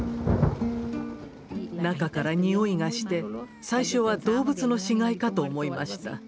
中から臭いがして最初は動物の死骸かと思いました。